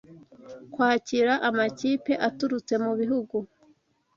kwakira amakipe aturutse mu bihugu